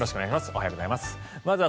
おはようございます。